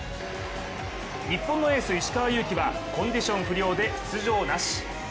日本のエース・石川祐希はコンディション不良で出場なし。